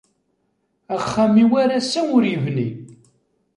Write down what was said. Axxam-iw ar ass-a ur yebni.